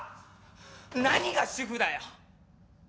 何が主夫だよ！